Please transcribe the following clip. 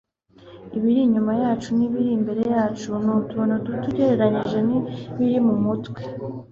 ibiri inyuma yacu n'ibiri imbere yacu ni utuntu duto ugereranije n'ibiri muri twe - ralph waldo emerson